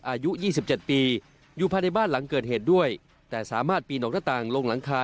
อายุ๒๗ปีอยู่ภายในบ้านหลังเกิดเหตุด้วยแต่สามารถปีนออกหน้าต่างลงหลังคา